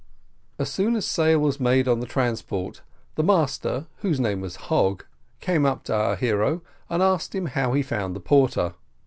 As soon as sail was made on the transport, the master, whose name was Hogg, came up to our hero, and asked him how he found the porter.